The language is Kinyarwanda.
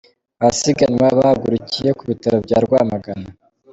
Abasiganwa bahagurukiye ku Bitaro bya Rwamagana.